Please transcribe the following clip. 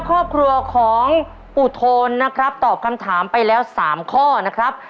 ครอบครัวของปู่โทนนะครับตอบคำถามไปแล้ว๓ข้อนะครับ